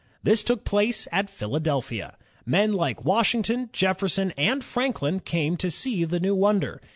This took place at Philadelphia. Men like Washington, Jefferson, and Franklin came to see the new wonder.